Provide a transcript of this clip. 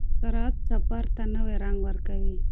سرعت سفر ته نوی رنګ ورکوي.